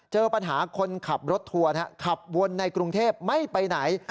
เจอปัญหาคนขับรถทัวร์ขับวนในกรุงเทพไม่ไปไหน